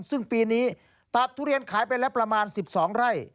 ซึ่งปีนี้ตัดทุเรียนขายไปแล้วประมาณ๑๒ไร่